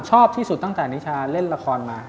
ชอบที่สุดตั้งแต่นิชาเล่นละครมา